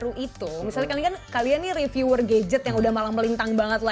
misalnya kalian kan kalian nih reviewer gadget yang udah malah melintang banget lah